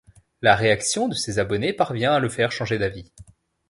La réaction de ses abonnés parvient à le faire changer d’avis.